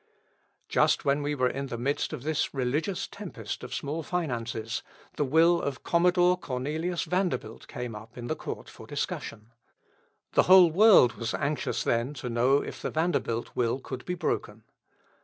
Just when we were in the midst of this religious tempest of small finances, the will of Commodore Cornelius Vanderbilt came up in the court for discussion. The whole world was anxious then to know if the Vanderbilt will could be broken.